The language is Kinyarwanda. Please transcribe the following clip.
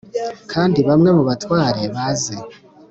Kandi bamwe mu batware baze